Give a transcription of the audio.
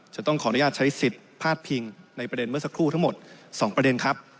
จะต้องขออนุญาตใช้สิทธิ์พาดพิงในประเด็นเมื่อสักครู่ทั้งหมด๒ประเด็นครับ